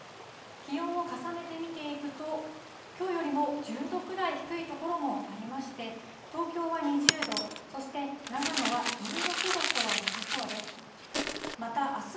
気温を重ねて見ていくと、きょうよりも１０度くらい低い所もありまして、東京は２０度、そして長野は１６度となりそうです。